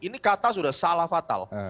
ini kata sudah salah fatal